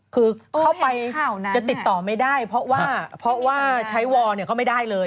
คือเข้าไปจะติดต่อไม่ได้เพราะว่าเพราะว่าใช้วอลก็ไม่ได้เลย